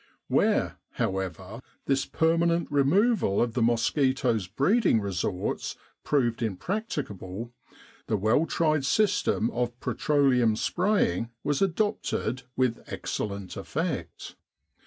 Where, however, this permanent removal of the mosquitoes' breeding resorts proved imprac ticable, the well tried system of petroleum spraying was adopted with excellent effect.